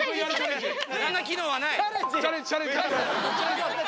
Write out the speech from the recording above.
そんな機能はない。